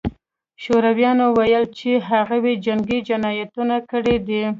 شورویانو ویل چې هغوی جنګي جنایتونه کړي دي